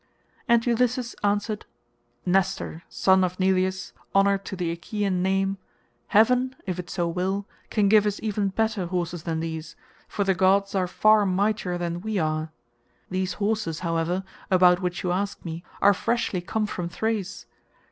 And Ulysses answered, "Nestor son of Neleus, honour to the Achaean name, heaven, if it so will, can give us even better horses than these, for the gods are far mightier than we are. These horses, however, about which you ask me, are freshly come from Thrace.